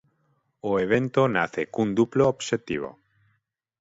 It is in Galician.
O evento nace cun duplo obxectivo.